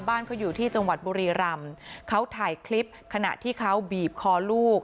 บ้านเขาอยู่ที่จังหวัดบุรีรำเขาถ่ายคลิปขณะที่เขาบีบคอลูก